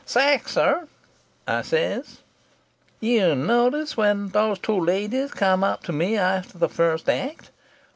"'Sachs, sir,' I says. "'You notice when those two ladies come up to me after the first act.